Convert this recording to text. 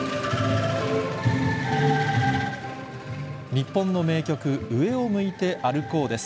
日本の名曲、上を向いて歩こうです。